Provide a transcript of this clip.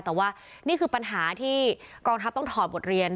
แต่ว่านี่คือปัญหาที่กองทัพต้องถอดบทเรียน